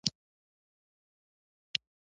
دا د برلین د کنفرانس په پای کې ترلاسه شوې وه.